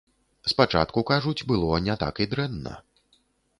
Спачатку, кажуць, было не так і дрэнна.